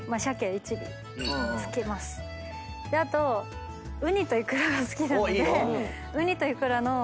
あとウニとイクラが好きなので。